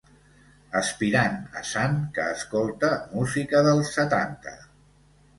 Aspirant a sant que escolta música dels setanta.